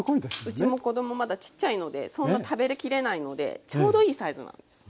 うちも子供まだちっちゃいのでそんな食べきれないのでちょうどいいサイズなんです。